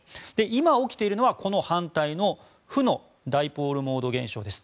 今起きているのはこの反対の負のダイポールモード現象です。